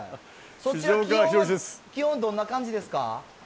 そちら気温どんな感じですか？